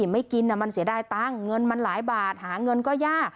ไม่กินมันเสียดายตังค์เงินมันหลายบาทหาเงินก็ยาก